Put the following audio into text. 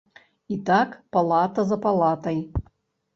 І так палата за палатай.